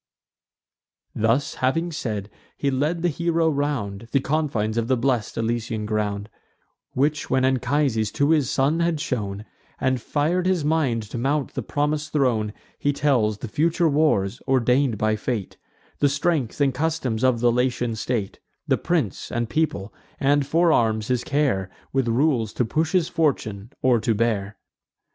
Thus having said, he led the hero round The confines of the blest Elysian ground; Which when Anchises to his son had shown, And fir'd his mind to mount the promis'd throne, He tells the future wars, ordain'd by fate; The strength and customs of the Latian state; The prince, and people; and forearms his care With rules, to push his fortune, or to bear.